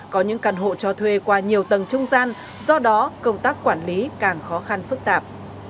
có những căn hộ cho thuê qua nhiều tầng trung gian do đó công tác quản lý càng khó khăn phức tạp